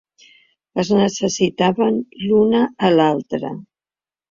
Ens necessitàvem l’una a l’altra